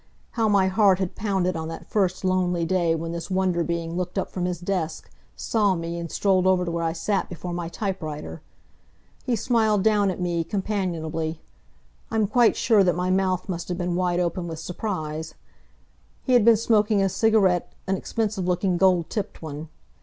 How my heart had pounded on that first lonely day when this Wonder Being looked up from his desk, saw me, and strolled over to where I sat before my typewriter! He smiled down at me, companionably. I'm quite sure that my mouth must have been wide open with surprise. He had been smoking a cigarette an expensive looking, gold tipped one.